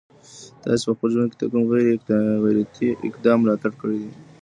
تاسي په خپل ژوند کي د کوم غیرتي اقدام ملاتړ کړی دی؟